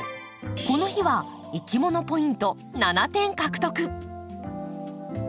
この日はいきものポイント７点獲得。